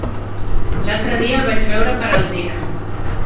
L'altre dia el vaig veure per Alzira.